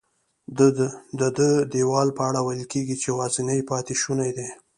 ددې دیوال په اړه ویل کېږي چې یوازینی پاتې شونی دی.